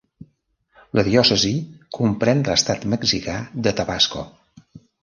La diòcesi comprèn l'estat mexicà de Tabasco.